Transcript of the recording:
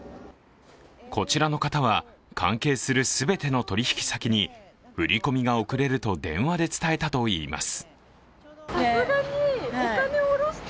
こちらの方は関係する全ての取引先に振り込みが遅れると電話で伝えたといいます。